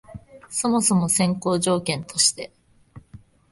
そもそも先行条件として、